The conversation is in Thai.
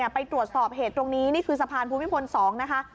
ไปตรวจสอบเหตุตรงนี้นี่คือสะพานภูมิพล๒นะคะ